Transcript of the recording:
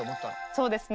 そうですね。